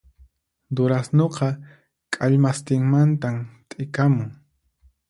Durasnuqa k'allmastinmantan t'ikamun